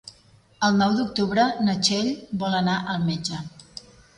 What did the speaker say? El nou d'octubre na Txell vol anar al metge.